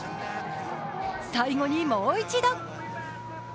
最後にもう一度。